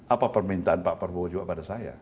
apa permintaan pak prabowo juga pada saya